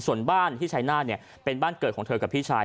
ส่วนบ้านที่ชายนาฏเนี่ยเป็นบ้านเกิดของเธอกับพี่ชาย